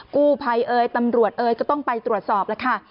กู้ภัยเอ่ยตำรวจเอ๋ยก็ต้องไปตรวจสอบแล้วค่ะ